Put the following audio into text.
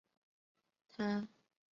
他在刘邦手下为谒者。